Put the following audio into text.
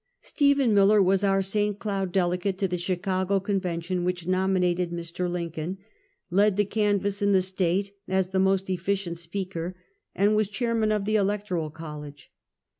Stephen Miller was our St. Cloud delegate to the Chicago Convention which nominated Mr. Lincoln, led the canvass in the State, as the most efficient speaker and was chairman of the Electoral College.